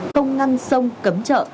công ngăn sông cấm chợ